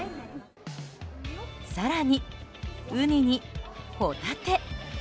更に、ウニに、ホタテ。